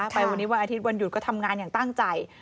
ไปวันนี้วันอาทิตย์วันหยุดก็ทำงานอย่างตั้งใจ